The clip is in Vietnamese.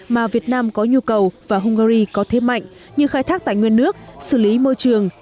mà việt nam có nhu cầu và hungary có thế mạnh như khai thác tài nguyên nước xử lý môi trường